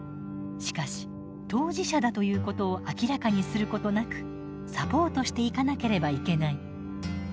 しかし当事者だということを明らかにすることなくサポートしていかなければいけない。